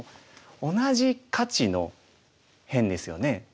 同じ価値の辺ですよね。